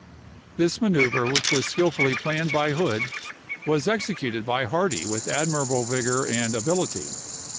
This manoeuvre which was skill fully planned by Hood was executed by Hardee with admirable vigor and ability.